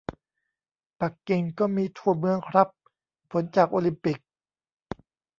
ปักกิ่งก็มีทั่วเมืองครับ ผลจากโอลิมปิก